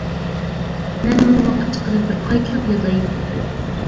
مەنمۇ ۋاقىت چىقىرىپ بىر قايتىلاپ يازاي.